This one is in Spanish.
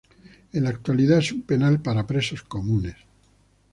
En la actualidad es un penal para presos comunes.